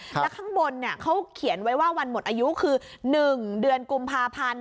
แล้วข้างบนเขาเขียนไว้ว่าวันหมดอายุคือ๑เดือนกุมภาพันธ์